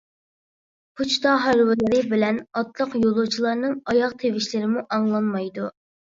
پوچتا ھارۋىلىرى بىلەن ئاتلىق يولۇچىلارنىڭ ئاياغ تىۋىشلىرىمۇ ئاڭلانمايدۇ.